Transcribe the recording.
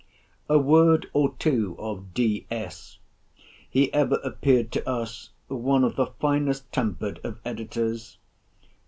A word or two of D.S. He ever appeared to us one of the finest tempered of Editors.